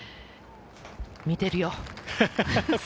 見ているよ。